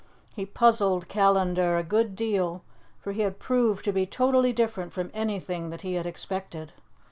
He puzzled Callandar a good deal, for he had proved to be totally different from anything that he had expected.